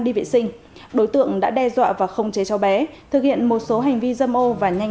đi vệ sinh đối tượng đã đe dọa và không chế cháu bé thực hiện một số hành vi dâm ô và nhanh